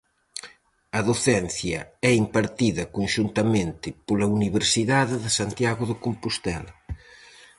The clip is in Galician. A docencia é impartida conxuntamente pola Universidade de Santiago de Compostela.